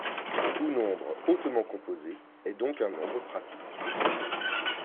Tout nombre hautement composé est donc un nombre pratique.